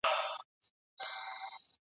په هرات کي د صنعت لپاره برېښنا څنګه برابریږي؟